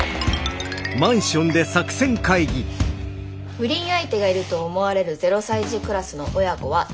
不倫相手がいると思われる０歳児クラスの親子は１０組。